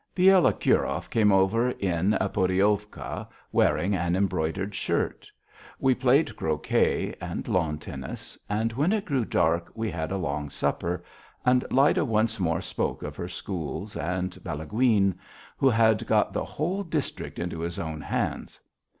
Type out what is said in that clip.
Bielokurov came over in a poddiovka, wearing an embroidered shirt. We played croquet and lawn tennis, and when it grew dark we had a long supper, and Lyda once more spoke of her schools and Balaguin, who had got the whole district into his own hands.